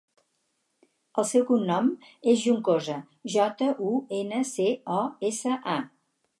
El seu cognom és Juncosa: jota, u, ena, ce, o, essa, a.